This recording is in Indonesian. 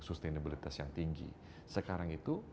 sustenabilitas yang tinggi sekarang itu